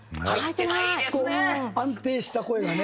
安定した声がね。